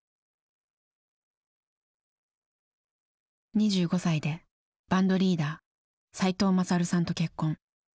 ２５歳でバンドリーダー齋藤勝さんと結婚。